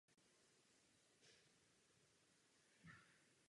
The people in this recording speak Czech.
Politicky se angažoval i během slovenského štátu.